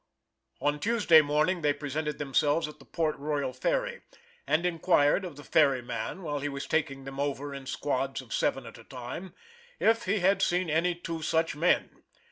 On Tuesday morning they presented themselves at the Port Royal ferry, and inquired of the ferry man, while he was taking them over in squads of seven at a time, if he had seen any two such men.